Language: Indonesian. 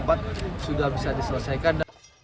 pembangunan pasaraya fase ketujuh